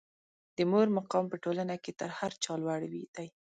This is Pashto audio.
د مور مقام په ټولنه کې تر هر چا لوړ دی.